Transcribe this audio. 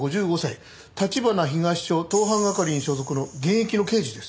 立花東署盗犯係に所属の現役の刑事です。